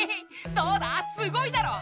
どうだすごいだろう！